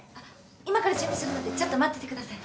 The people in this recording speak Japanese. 今から準備するのでちょっと待っててください。